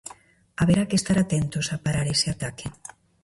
Haberá que estar atentos a parar ese ataque.